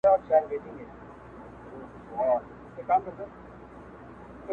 څوك به ليكي دېوانونه د غزلو،